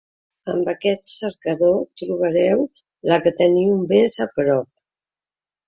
En aquest cercador trobareu la que teniu més a prop.